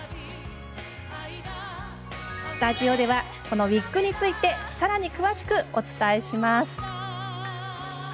スタジオでは、ウイッグについてさらに詳しくお伝えします。